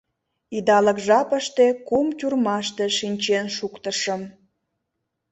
Идалык жапыште кум тюрьмаште шинчен шуктышым.